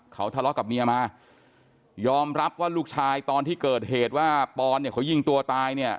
เขาทะเลาะกับเมียมายอมรับว่าลูกชายตอนที่เกิดเหตุว่าปอนเนี่ยเขายิงตัวตายเนี่ย